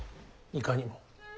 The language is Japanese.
いかにも。